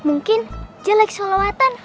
mungkin jelek seolah olah